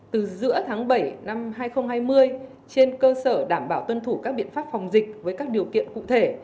từ giữa tháng bảy năm hai nghìn hai mươi trên cơ sở đảm bảo tuân thủ các biện pháp phòng dịch với các điều kiện cụ thể